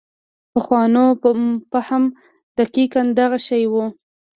پخوانو فهم دقیقاً دغه شی و.